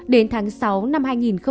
đến tháng sáu năm hai nghìn hai mươi